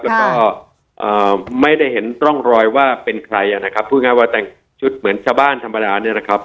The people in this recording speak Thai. แล้วก็ไม่ได้เห็นร่องรอยว่าเป็นใครนะครับพูดง่ายว่าแต่งชุดเหมือนชาวบ้านธรรมดาเนี่ยนะครับ